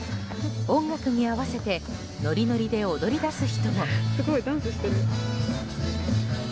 音楽に合わせてノリノリで踊りだす人も。